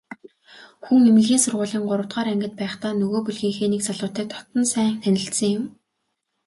Хүн эмнэлгийн сургуулийн гуравдугаар ангид байхдаа нөгөө бүлгийнхээ нэг залуутай дотно сайн танилцсан юм.